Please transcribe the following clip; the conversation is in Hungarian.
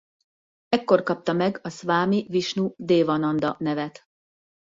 Ekkor kapta meg a Szvámi Visnu-dévananda nevet.